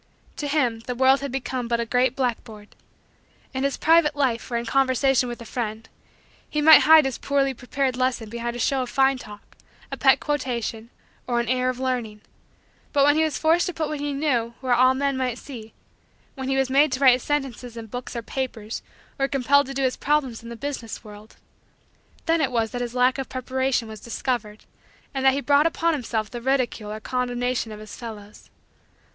To him, the world had become but a great blackboard. In his private life or in conversation with a friend, he might hide his poorly prepared lesson behind a show of fine talk, a pet quotation, or an air of learning; but when he was forced to put what he knew where all men might see when he was made to write his sentences in books or papers or compelled to do his problems in the business world then it was that his lack of preparation was discovered, and that he brought upon himself the ridicule or condemnation of his fellows.